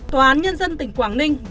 tòa án nhân dân tỉnh quảng ninh